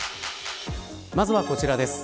まずはこちらです。